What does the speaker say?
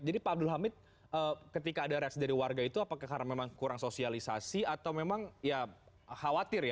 jadi pak abdul hamid ketika ada res dari warga itu apakah karena memang kurang sosialisasi atau memang ya khawatir ya